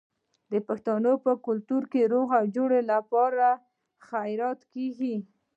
د پښتنو په کلتور کې د روغې جوړې لپاره خیرات کیږي.